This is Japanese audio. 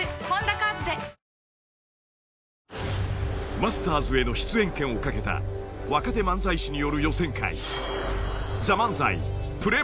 ［『マスターズ』への出演権を懸けた若手漫才師による予選会］